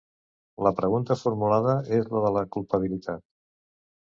La pregunta formulada és la de la culpabilitat.